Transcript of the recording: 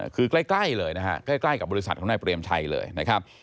คือใกล้เลยนะฮะใกล้กับบริษัทของนายเปรมชัยเลยนะครับ